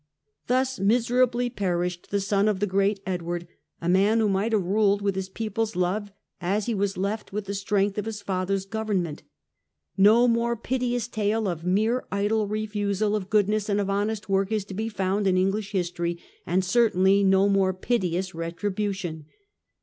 Thus miserably perished the son of the great Edward, a man who might have ruled with his people's love as he was left with the strength of his father's govern ment. No more piteous tale of mere idle refusal of good ness and of honest work is to be found in English history, and certainly no more piteous retribution.